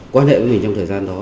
quan hệ với mình trong thời gian đó